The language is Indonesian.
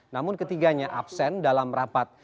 namun ketiganya absen dalam rapat